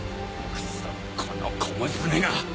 クソこの小娘が！